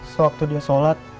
sewaktu dia solat